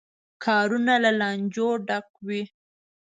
کارونه له لانجو ډکوي.